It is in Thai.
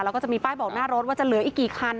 แล้วก็จะมีป้ายบอกหน้ารถว่าจะเหลืออีกกี่คัน